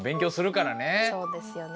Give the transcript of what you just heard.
そうですよね。